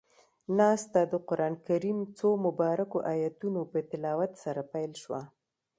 ناسته د قرآن کريم څو مبارکو آیتونو پۀ تلاوت سره پيل شوه.